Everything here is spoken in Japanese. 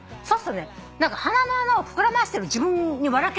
そうするとね鼻の穴を膨らませてる自分に笑